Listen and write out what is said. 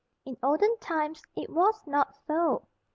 In olden times it was not so.